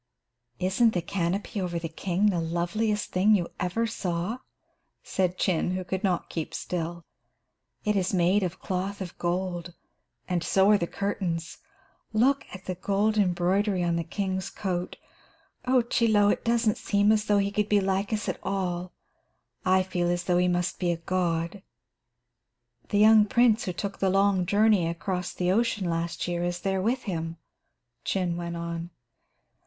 "Isn't the canopy over the king the loveliest thing you ever saw?" said Chin, who could not keep still. "It is made of cloth of gold, and so are the curtains. Look at the gold embroidery on the king's coat. Oh, Chie Lo, it doesn't seem as though he could be like us at all. I feel as though he must be a god. "The young prince who took the long journey across the ocean last year is there with him," Chin went on.